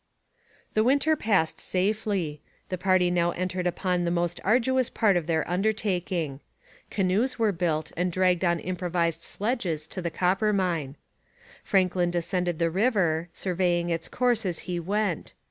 The winter passed safely; the party now entered upon the most arduous part of their undertaking. Canoes were built and dragged on improvised sledges to the Coppermine. Franklin descended the river, surveying its course as he went.